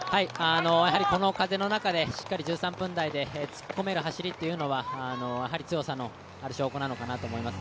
この風の中でしっかり１３分台で突っこめる走りというのはやはり強さのある証拠なのかなと思います。